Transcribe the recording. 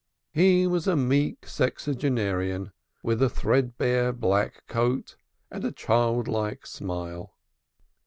He was a meek sexagenarian, with a threadbare black coat and a child like smile.